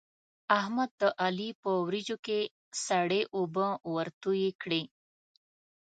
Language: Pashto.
احمد د علي په وريجو کې سړې اوبه ورتوی کړې.